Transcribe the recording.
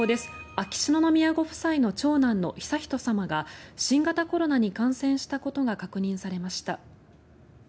秋篠宮ご夫妻の長男の悠仁さまが新型コロナに感染したことが確認されました。